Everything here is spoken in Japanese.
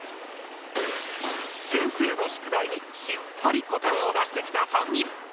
先生の宿題にしっかり答えを出してきた３人。